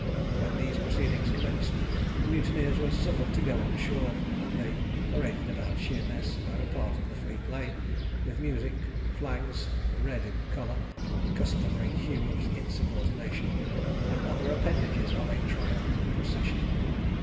When these proceedings commenced, the mutineers were suffered to go on shore, and they paraded about Sheerness, where a part of the fleet lay, with music, flags (red in colour the customary hue of insubordination), and other appendages of a triumphal procession.